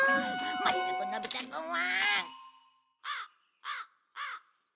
まったくのび太くんは！